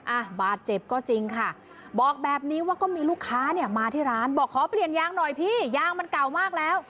อ่ะบาดเจ็บก็จริงค่ะบอกแบบนี้ว่าก็มีลูกค้าเนี่ยมาที่ร้านบอกขอเปลี่ยนยางหน่อยพี่ยางมันเก่ามากแล้ว